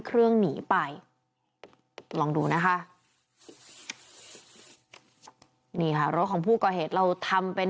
เครื่องหนีไปลองดูนะคะนี่ค่ะรถของผู้ก่อเหตุเราทำเป็น